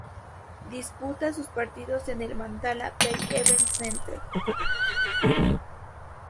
Disputa sus partidos en el Mandalay Bay Events Center.